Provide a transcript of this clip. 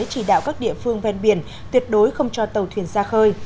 chỉ đạo các địa phương ven biển tuyệt đối không cho tàu thuyền ra khơi